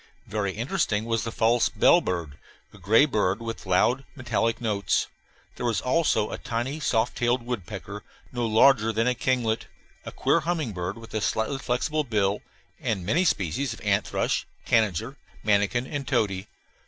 Very interesting was the false bellbird, a gray bird with loud, metallic notes. There was also a tiny soft tailed woodpecker, no larger than a kinglet; a queer humming bird with a slightly flexible bill; and many species of ant thrush, tanager, manakin, and tody.